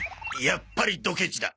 やっぱりドケチだ。